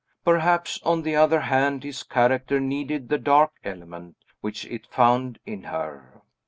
Perhaps, On the other hand, his character needed the dark element, which it found in her.